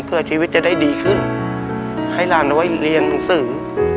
เพื่อชีวิตจะได้ดีขึ้นให้หลานเอาไว้เรียนหนังสือ